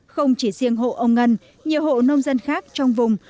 không chỉ riêng hộ ông ngân nhiều hộ nông dân khác trong vùng